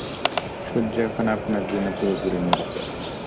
সূর্য এখন আপনার জন্য পুরোপুরি নিরাপদ।